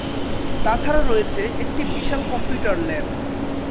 তাছাড়া রয়েছে একটি বিশাল কম্পিউটার ল্যাব।